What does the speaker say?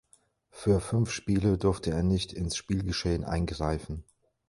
Für fünf Spiele durfte er nicht ins Spielgeschehen eingreifen.